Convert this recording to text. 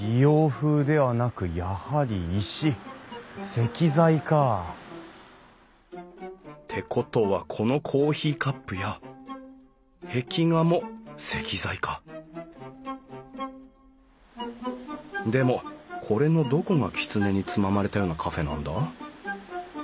石材か。ってことはこのコーヒーカップや壁画も石材かでもこれのどこがきつねにつままれたようなカフェなんだ？